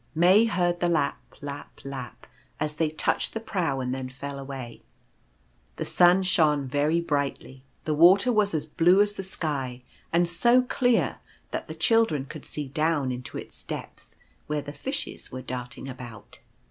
May heard the lap, lap, lap, as they touched the prow, and then fell away. The sun shone very brightly. The water was as blue as the sky, and so clear that the children could see down into its depths, where the fishes were darting about.